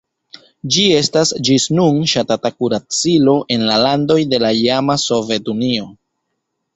Ĝi estas ĝis nun ŝatata kuracilo en la landoj de la iama Sovetunio.